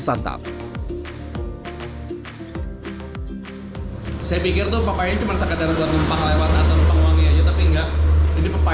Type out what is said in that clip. masukkan kembali milk crepes dan pastry cream